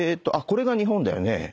これが日本だよね。